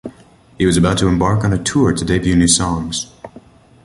He was about to embark on a tour to debut new songs.